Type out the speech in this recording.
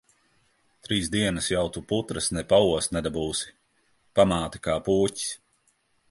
Trīs dienas jau tu putras ne paost nedabūsi. Pamāte kā pūķis.